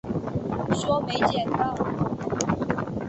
说没捡到